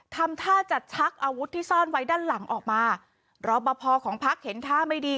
ทำท่าจะชักอาวุธที่ซ่อนไว้ด้านหลังออกมารอปภของพักเห็นท่าไม่ดี